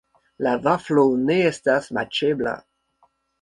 La vaflo ne estas maĉebla.